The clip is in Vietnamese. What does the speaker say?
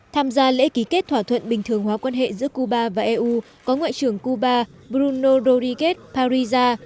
tham gia lễ ký kết thỏa thuận bình thường hóa quan hệ giữa cuba và eu có ngoại trưởng cuba bruno dorriguez parisa